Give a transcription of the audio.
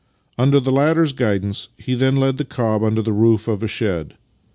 Under the latter's guidance he then led the cob under the roof of a shed.